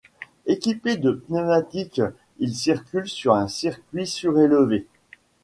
Équipés de pneumatiques, ils circulent sur un circuit surélevé.